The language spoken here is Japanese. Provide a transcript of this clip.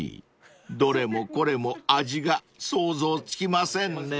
［どれもこれも味が想像つきませんね］